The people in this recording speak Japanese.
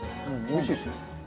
おいしいですね。